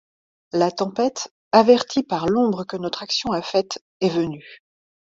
La tempête, avertie par l’ombre que notre action a faite, est venue.